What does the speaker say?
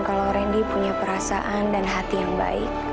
kalau randy punya perasaan dan hati yang baik